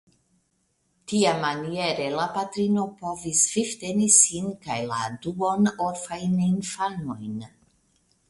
Tiamaniere la patrino povis vivteni sin kaj la duonorfajn infanojn.